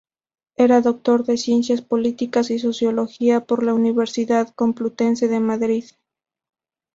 Era Doctor de Ciencias Políticas y Sociología por la Universidad Complutense de Madrid.